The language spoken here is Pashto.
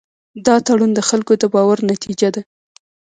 دا تړون د خلکو د باور نتیجه ده.